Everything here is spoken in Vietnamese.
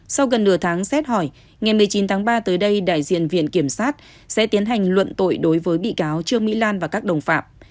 sau gần nửa tháng xét hỏi ngày một mươi chín tháng ba tới đây đại diện viện kiểm sát sẽ tiến hành luận tội đối với bị cáo trương mỹ lan và các đồng phạm